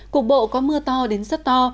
cục bộ có mưa to đến rất to